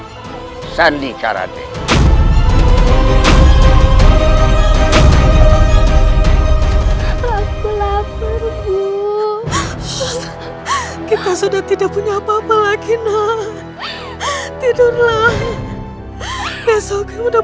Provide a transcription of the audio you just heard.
hai sani karadik aku laku laku kita sudah tidak punya apa apa lagi nah tidurlah besoknya udah